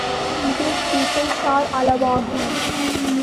இது திசைசார் அளவாகும்.